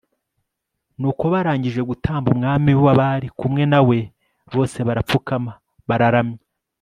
nuko barangije gutamba, umwami n'abari kumwe na we bose barapfukama, bararamya